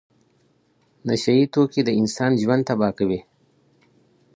نشه یي توکي د انسان ژوند تباه کوي.